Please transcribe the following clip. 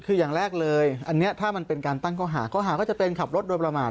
คืออย่างแรกเลยอันนี้ถ้ามันเป็นการตั้งข้อหาข้อหาก็จะเป็นขับรถโดยประมาท